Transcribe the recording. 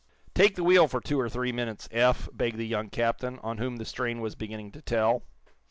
"Take the wheel for two or three minutes, Eph," begged the young captain, on whom the strain was beginning to tell.